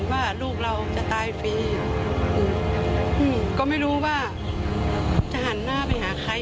มีความรู้สึกว่าเสียใจ